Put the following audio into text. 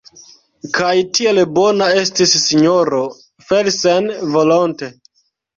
Kaj tiel bona estis sinjoro Felsen volonte.